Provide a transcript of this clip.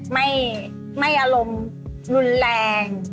ไม่อารมณ์รุนแรง